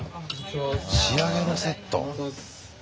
仕上げのセット。